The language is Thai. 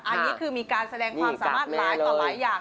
อันนี้คือมีการแสดงความสามารถหลายต่อหลายอย่าง